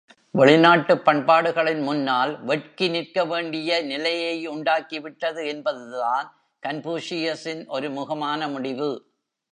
வெளிநாட்டுப் பண்பாடுகளின் முன்னால் வெட்கி நிற்கவேண்டிய நிலையையுண்டாக்கி விட்டது என்பதுதான் கன்பூஷியஸின் ஒரு முகமான முடிவு.